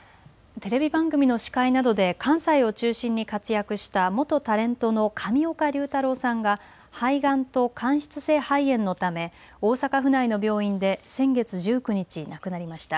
テレビ番組の司会などで関西を中心に活躍した元タレントの上岡龍太郎さんが肺がんと間質性肺炎のため大阪府内の病院で先月１９日、亡くなりました。